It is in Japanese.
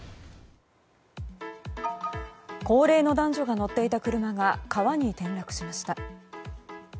高齢の男女が乗っていた車が川に転落しました。